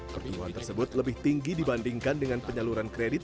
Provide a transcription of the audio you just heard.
pertumbuhan tersebut lebih tinggi dibandingkan dengan penyaluran kredit